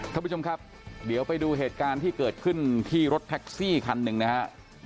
ท่านผู้ชมครับเดี๋ยวไปดูเหตุการณ์ที่เกิดขึ้นที่รถแท็กซี่คันหนึ่งนะฮะ